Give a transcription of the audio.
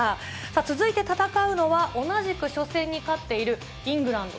続いて戦うのは、同じく初戦に勝っているイングランド。